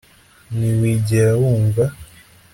ntiwigera wumva